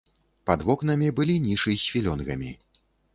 Пад вокнамі былі нішы з філёнгамі.